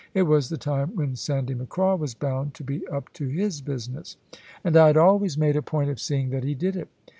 It was the time when Sandy Macraw was bound to be up to his business; and I had always made a point of seeing that he did it.